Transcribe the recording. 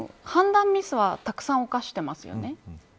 判断ミスはたくさん犯してますよね。